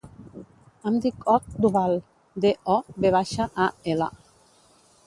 Em dic Ot Doval: de, o, ve baixa, a, ela.